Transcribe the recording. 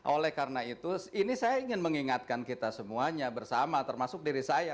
oleh karena itu ini saya ingin mengingatkan kita semuanya bersama termasuk diri saya